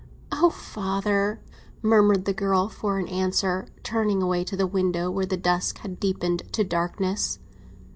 "Oh, father," murmured the girl for all answer, turning away to the window, where the dusk had deepened to darkness.